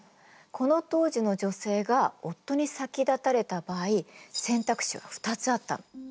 この当時の女性が夫に先立たれた場合選択肢は２つあったの。